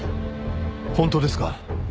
本当ですか？